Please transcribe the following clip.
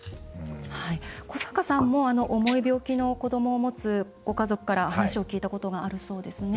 古坂さんも重い病気の子どもを持つご家族から話を聞いたことがあるそうですね。